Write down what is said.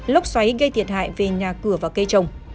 lốc xoáy gây thiệt hại về nhà cửa và cây trồng